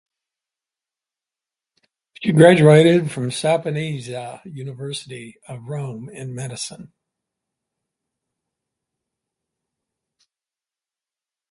She graduated from the Sapienza University of Rome in medicine.